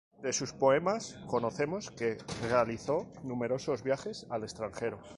De sus poemas conocemos que realizó numerosos viajes al extranjero.